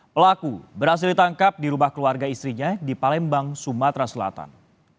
pelaku berhasil ditangkap di rumah keluarga istrinya di palembang sumatera selatan